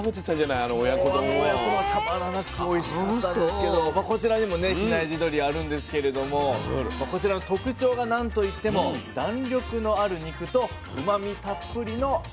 もうあの親子丼はたまらなくおいしかったんですけどこちらにもね比内地鶏あるんですけれどもこちらの特徴が何と言っても弾力のある肉とうまみたっぷりの脂。